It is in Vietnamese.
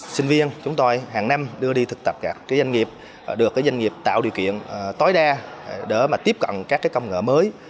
sinh viên chúng tôi hàng năm đưa đi thực tập các doanh nghiệp được doanh nghiệp tạo điều kiện tối đa để tiếp cận các công nghệ mới